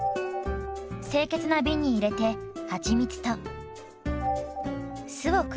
清潔な瓶に入れてはちみつと酢を加えます。